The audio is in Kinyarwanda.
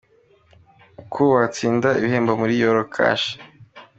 Uko watsindira ibihembo muri “Yora Cash”.